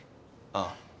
ああ。